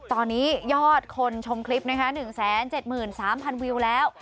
ตอนนี้ยอดคนชมคลิปนะคะ๑๗๓๐๐วิวแล้ว